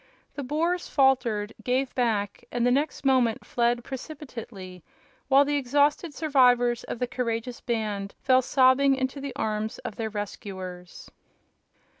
The Boers faltered, gave back, and the next moment fled precipitately, while the exhausted survivors of the courageous band fell sobbing into the arms of their rescuers.